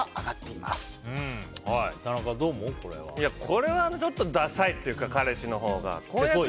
これはちょっとダサいというか彼氏のほうが。